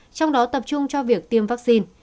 trong đó tập trung cho việc tiêm vaccine